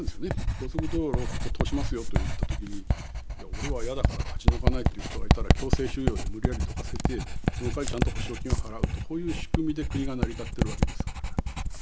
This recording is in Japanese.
ここ通しますよといった時に俺は嫌だから立ち退かないという人がいたら強制収用で無理やりどかせてそのかわりちゃんと補償金を払うとこういう仕組みで国が成り立ってるわけですから。